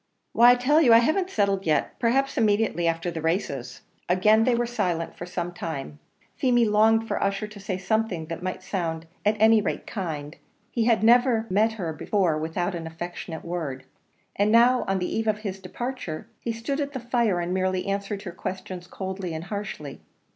"Why, I tell you, I haven't settled yet perhaps immediately after the races." Again they were silent for some time; Feemy longed for Ussher to say something that might sound at any rate kind; he had never met her before without an affectionate word and now, on the eve of his departure, he stood at the fire and merely answered her questions coldly and harshly.